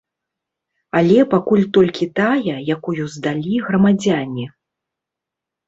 Але пакуль толькі тая, якую здалі грамадзяне.